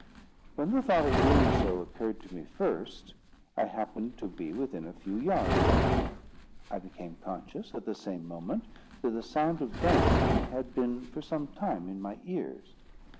When the thought of doing so occurred to me first, I happened to be within a few yards of it. I became conscious, at the same moment, that the sound of dancing had been for some time in my ears.